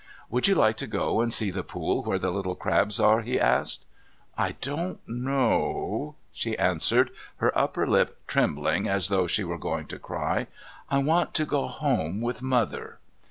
"Would you like to go and see the pool where the little crabs are?" he asked. "I don't know," she answered, her upper lip trembling as though she were going to cry. "I want to go home with Mother."